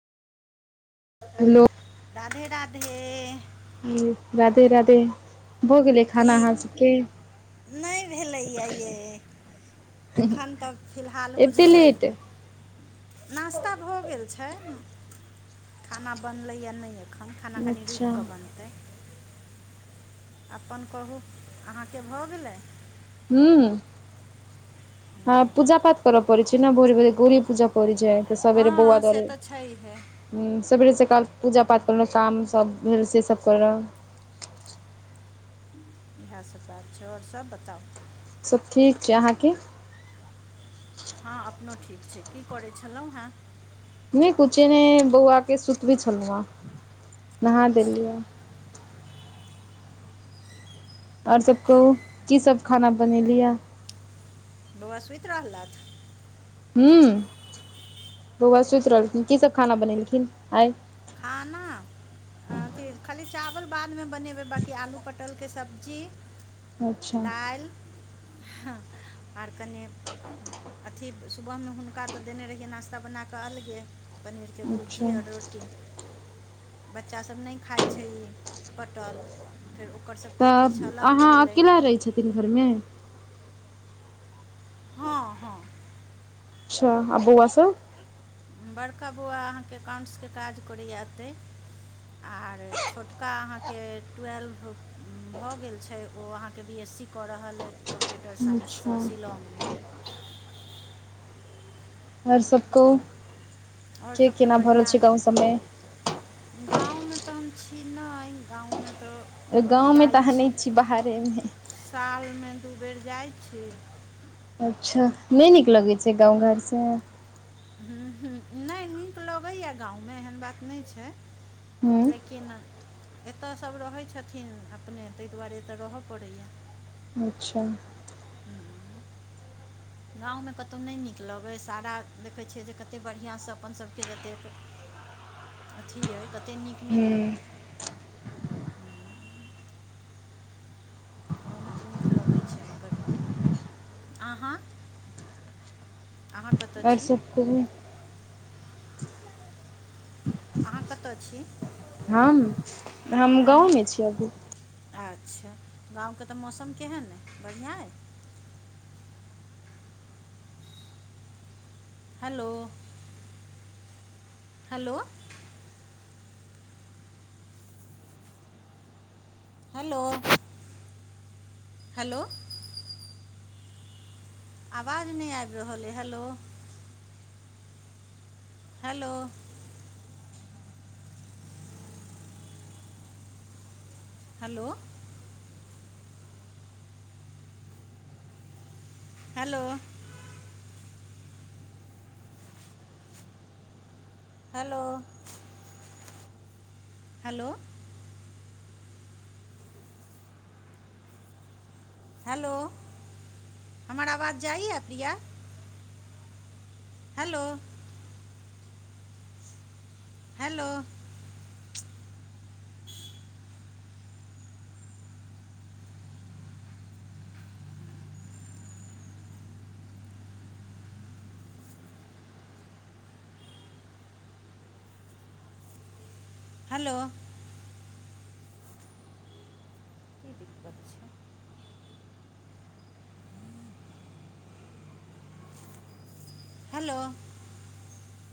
Hello राधे-राधे। हूं राधे-राधे भऽ गेलै खाना अहाँ सबके नै भेलैया यैय एखन तऽ फिल्हाल बुझू एते जे लेट नास्ता भऽ गेल छै, खाना बनलैए नै एकख खन खाना कनी अच्छा रुइक कऽ बनतै अपन कहू अहाँके भऽ गेलै हुंअ हँ पूजा-पाठ करऽ पड़ै छै न भोरे-भोरे, गौड़ी पूजअ परैछै आई से सबेरे बौआ हँ से दुआरे तऽ छैहे ह्म सबेरे सकाल पूजा-पाठ कलेलौं, साम सब भेल से सब करब इएह सब बात छै और सब बताउ सब ठीक छै अहाँके हँ अपनो ठीक छै की करै छलौहैं नै कुछ एनहे बौआ के सुतबै छलु हँ नहा अच्छा देलियै और सब कहू की सब खाना बनेलीया बौआ सुइत रहलथ ह्म बौआ सुइत रहलखिन, की सब खाना बनेलखिन आय खाना अ अथी खाली चावल बाद में बनेबै बाँकी आलू पटल के सब्जी अच्छा दाइल हँ आर कनी अथी सुबह में हुनका तऽ देने रहियै नाश्ता बना कऽ अलगे पनीरके भुजी अच्छा और रोटी बच्चा सब नै खाइ छै ई पटल फेर ओकर सबके किछ अलग भेलै दिन भर में हँ-हँ अच्छा आ बौआ सब बड़का बौआ अहाँके अकाउंट्स के काज करैए एतै आर छोटका अहाँके टुएल्भ भऽ गेल छै ओ अहाँके बी एस सी कऽ रहल अइ कम्प्यूटर साइंस अच्छा स शिलांग में आर सब कहु आओर के सभ तऽ केना भऽ रहल छै गाँव सब में गाँव में तऽ हम छी नय, गाँव में तऽ गाँव में तऽ अहाँ नै छी बाहरे में साल में दू बेर जाइ छी अच्छा नै नीक लगै छै गाँव घर से हूं-हूं नै नीक लगैए गाँव में एहन बात नै छै हूँ लेकिन एतऽ सब रहै छथिन अपने तय दुआरे एतऽ रहऽ पड़ैया अच्छा गाँव में कतौ नै नीक लगै सारा देखै छियै जे कते बढ़ियां स अपन सबके जतेक अथी अइ कते नीक-नीक हूँ गांव में तो नीक लगै छै मगर, आहाँ आर सब कहु अहाँ कतऽ छी हम- हम गाँव में छी अभी आच्छा गाँव के तऽ मौसम केहन अइ, बढ़िआँ अइ हेलो, हेलो हेलो हेलो। आवाज नहि आबि रहल अइ hello. Hello. Hello. Hello. Hello. Hello. Hello हमर आवाज जाइया प्रिया? हलो। हलो। हलो। की दिक्कत छै हलो।